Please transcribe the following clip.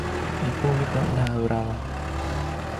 El público la adoraba.